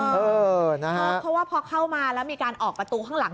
เพราะว่าพอเข้ามาแล้วมีการออกประตูข้างหลัง